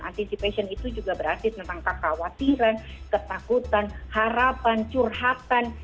anticipation itu juga berarti tentang kekhawatiran ketakutan harapan curhatan